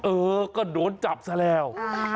เออก็โดนจับซะแล้ว